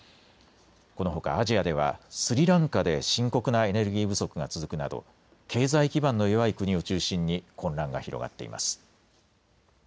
このほかアジアではスリランカで深刻なエネルギー不足が続くなど経済基盤の弱い国を中心に混乱が広がっています。